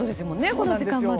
この時間まだ。